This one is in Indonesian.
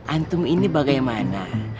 antum ini bagaimana